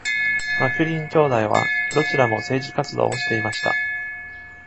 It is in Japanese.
マクリーン兄弟はどちらも政治活動をしていました。